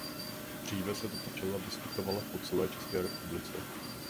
Dříve se tato včela vyskytovala po celé České republice.